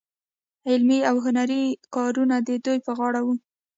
علمي او هنري کارونه د دوی په غاړه وو.